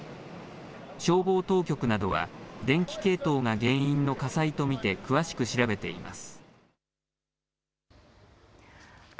消防当局などは電気系統が原因の火災と見て詳しく調べています。